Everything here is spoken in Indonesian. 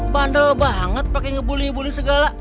pandel banget pake ngebuli ngebuli segala